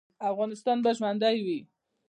افغانستان به ژوندی وي؟